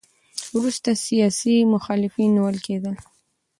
وروسته سیاسي مخالفین نیول کېدل.